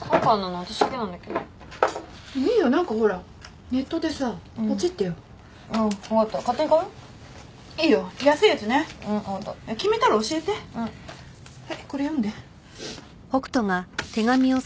はいこれ読んで。